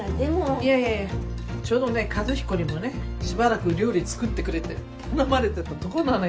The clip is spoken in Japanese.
いやいやいやちょうどね和彦にもねしばらく料理作ってくれって頼まれてたとこなのよ。